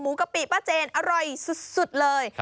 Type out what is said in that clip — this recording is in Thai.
หมูกะปี้ป๊าเจนอร่อยสุดเลย